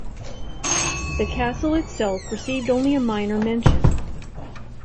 The Castle itself received only a minor mention.